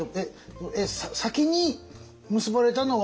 先に結ばれたのは。